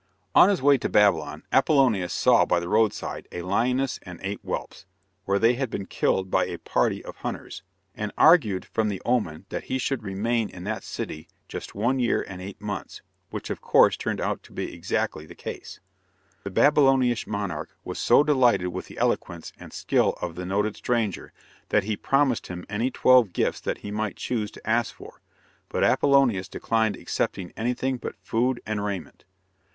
On his way to Babylon, Apollonius saw by the roadside a lioness and eight whelps, where they had been killed by a party of hunters, and argued from the omen that he should remain in that city just one year and eight months, which of course turned out to be exactly the case. The Babylonish monarch was so delighted with the eloquence and skill of the noted stranger, that he promised him any twelve gifts that he might choose to ask for, but Apollonius declined accepting anything but food and raiment.